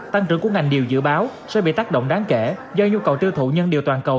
tăng trưởng của ngành điều dự báo sẽ bị tác động đáng kể do nhu cầu tiêu thụ nhân điều toàn cầu